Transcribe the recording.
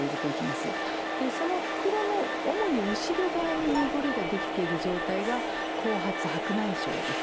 でその袋の主に後ろ側に濁りが出来てる状態が後発白内障です。